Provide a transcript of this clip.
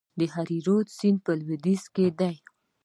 د هریرود سیند په لویدیځ کې دی